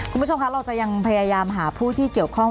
คุณผู้ชมคะเราจะยังพยายามหาผู้ที่เกี่ยวข้อง